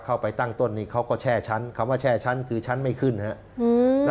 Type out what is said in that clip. เข้าไปตั้งต้นนี้เขาก็แช่ชั้นคำว่าแช่ชั้นคือชั้นไม่ขึ้นครับ